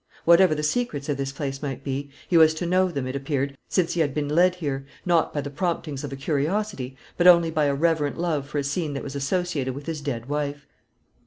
Whatever the secrets of this place might be, he was to know them, it appeared, since he had been led here, not by the promptings of curiosity, but only by a reverent love for a scene that was associated with his dead wife.